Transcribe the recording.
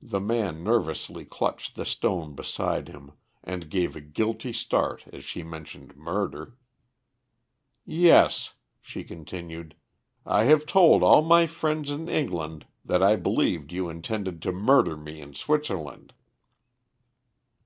The man nervously clutched the stone beside him, and gave a guilty start as she mentioned murder. "Yes," she continued, "I have told all my friends in England that I believed you intended to murder me in Switzerland."